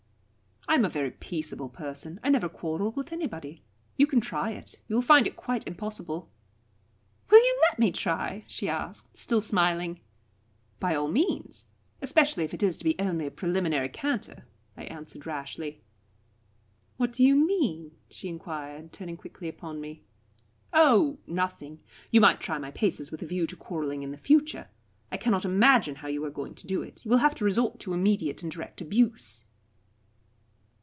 "I am a very peaceable person. I never quarrel with anybody. You can try it. You will find it quite impossible." "Will you let me try?" she asked, still smiling. "By all means especially if it is to be only a preliminary canter," I answered rashly. "What do you mean?" she enquired, turning quickly upon me. "Oh nothing. You might try my paces with a view to quarrelling in the future. I cannot imagine how you are going to do it. You will have to resort to immediate and direct abuse."